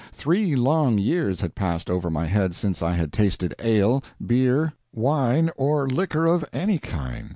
Three long years had passed over my head since I had tasted ale, beer, wine or liquor of any kind.